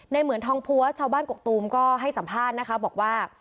เหมือนทองพัวชาวบ้านกกตูมก็ให้สัมภาษณ์นะคะบอกว่า